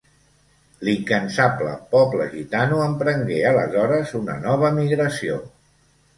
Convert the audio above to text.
L'incansable poble gitano emprengué, aleshores, una nova migració.